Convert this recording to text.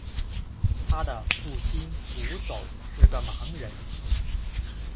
他的父亲瞽叟是个盲人。